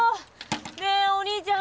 ねえお兄ちゃん